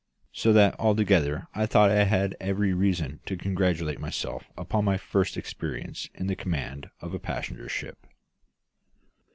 So that altogether I thought I had every reason to congratulate myself upon my first experience in the command of a passenger ship.